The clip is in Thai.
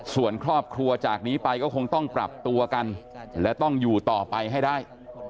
ส่วนครอบครัวจากนี้ไปก็คงต้องปรับตัวกันและต้องอยู่ต่อไปให้ได้